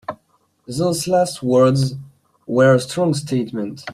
Those last words were a strong statement.